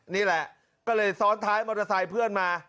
นี่แหละก็เลยซ้อนท้ายมอเตอร์ไซค์เพื่อนมา